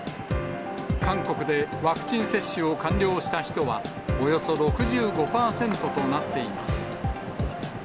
韓国でワクチン接種を完了した人は、およそ６５％となっています。